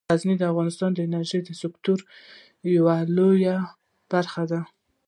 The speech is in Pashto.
غزني د افغانستان د انرژۍ د سکتور یوه لویه برخه ده.